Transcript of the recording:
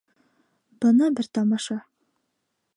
Бына бер тамаша!